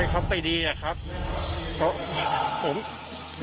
ให้เขาไปดีครับ